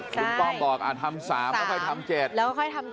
คุณป้อมบอกทำ๓แล้วค่อยทำ๗